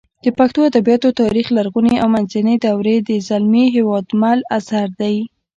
د پښتو ادبیاتو تاریخ لرغونې او منځنۍ دورې د زلمي هېوادمل اثر دی